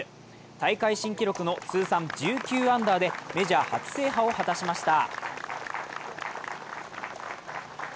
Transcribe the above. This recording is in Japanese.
大会新記録の通算１９アンダーでメジャー初制覇を果たしました。